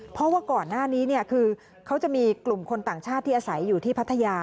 เพราะว่าก่อนหน้านี้คือเขาจะมีกลุ่มคนต่างชาติที่อาศัยอยู่ที่พัทยา